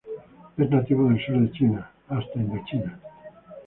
Es nativo del sur de China hasta Indochina.